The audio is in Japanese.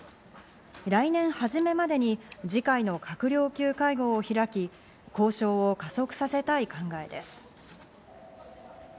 来年初めまでに次回の閣僚級会合を開き、交渉を加速させたい考えです。